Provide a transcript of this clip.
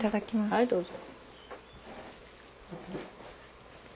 はいどうぞ。